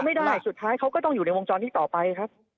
ไม่ได้สุดท้ายเขาก็ต้องอยู่ในวงจรนี้ต่อไปครับ